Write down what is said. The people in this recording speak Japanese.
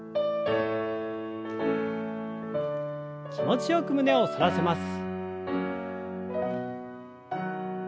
気持ちよく胸を反らせます。